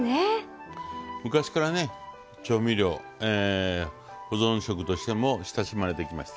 昔からね調味料保存食としても親しまれてきました。